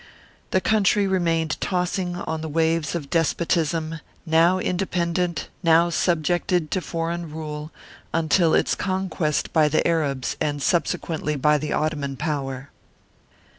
The country remained tossing on the waves of despotism, now independent, now subjected to foreign rule, until its conquest by the Arabs and subsequently by the Ottoman power.